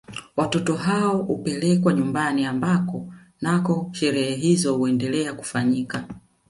Watoto hao hupelekwa nyumbani ambako nako sherehe hizo huendelea kufanyika